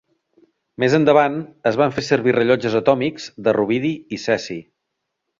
Més endavant es van fer servir rellotges atòmics de rubidi i cesi.